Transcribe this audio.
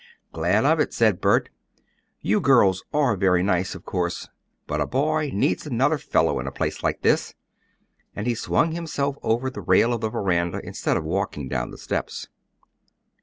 "Glad of it," said Bert. "You girls are very nice, of course, but a boy needs another fellow in a place like this," and he swung himself over the rail of the veranda, instead of walking down the steps.